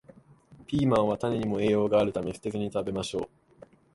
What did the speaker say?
ピーマンは種にも栄養があるため、捨てずに食べましょう